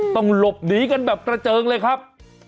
ต้องหลบหนีกันแบบกระเจิงเลยครับ